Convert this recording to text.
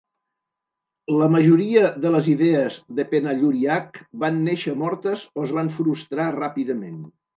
La majoria de les idees de Penhalluriack van néixer mortes o es van frustrar ràpidament.